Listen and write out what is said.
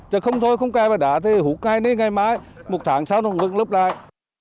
chứ không thôi không kè bờ đá thì hút ngay đi ngay mãi một tháng sau nó ngừng lấp lại